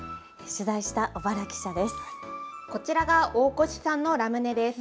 取材した小原記者です。